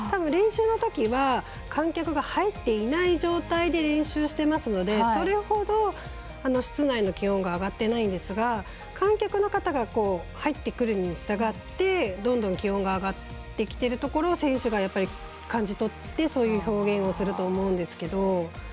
練習のときは観客が入っていない状態で練習してますのでそれほど室内の気温が上がっていないんですが観客の方が入ってくるにしたがってどんどん気温が上がってきているところを選手が感じ取ってそういう表現をすると思うんですけど。